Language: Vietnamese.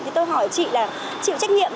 thì tôi hỏi chị là chịu trách nhiệm